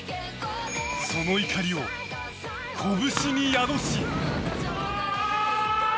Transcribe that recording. その怒りを拳に宿し。